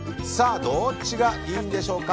どっちがいいんでしょうか。